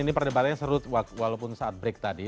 ini perdebalikannya seru walaupun saat break tadi